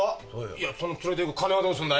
いやその連れてく金はどうすんだよ。